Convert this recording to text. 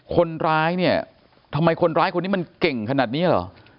คนร้ายเนี่ยทำไมคนร้ายคนนี้มันเก่งขนาดนี้เหรอ